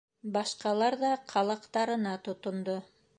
Башҡалар ҙа ҡалаҡтарына тотондо.